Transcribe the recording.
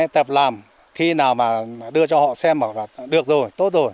tập làm khi nào mà đưa cho họ xem được rồi tốt rồi